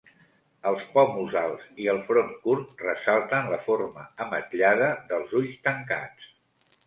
Els pòmuls alts i el front curt ressalten la forma ametllada dels ulls tancats.